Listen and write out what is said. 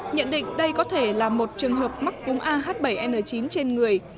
nhận định đây có thể là một trường hợp mắc cúm a h bảy n chín trên người